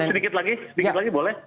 sedikit lagi sedikit lagi boleh